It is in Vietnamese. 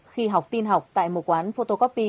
khi học tin học tại một quán photocopy